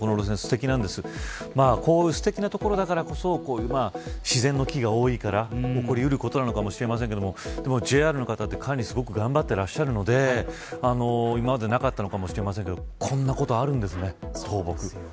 こういうすてきな所だからこそ自然の木が多いから起こり得ることなのかもしれませんがでもＪＲの方は管理をすごく頑張ってらっしゃるので今までなかったのかもしれませんけどこんなことあるんですね、倒木。